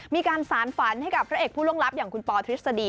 มีการสารฝันให้กับพระเอกผู้ล่วงลับอย่างคุณปอทฤษฎี